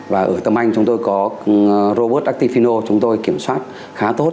và ở tâm anh chúng tôi có robot actifino chúng tôi kiểm soát khá tốt